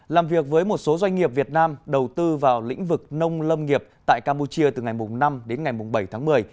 làm việc với một số doanh nghiệp việt nam đầu tư vào lĩnh vực nông lâm nghiệp tại campuchia từ ngày năm đến ngày bảy tháng một mươi